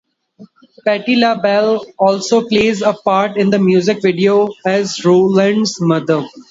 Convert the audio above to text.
Patti LaBelle also plays a part in the music video, as Rowland's mother.